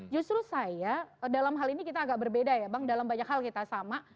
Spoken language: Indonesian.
justru saya dalam hal ini kita agak berbeda ya bang dalam banyak hal kita sama